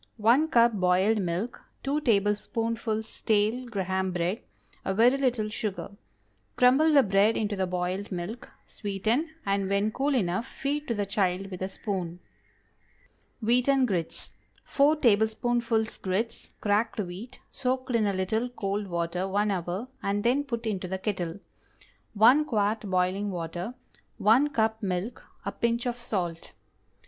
✠ 1 cup boiled milk. 2 tablespoonfuls stale Graham bread. A very little sugar. Crumble the bread into the boiled milk, sweeten, and when cool enough, feed to the child with a spoon. WHEATEN GRITS. ✠ 4 tablespoonfuls grits (cracked wheat) soaked in a little cold water one hour, and then put into the kettle. 1 quart boiling water. 1 cup milk. A pinch of salt.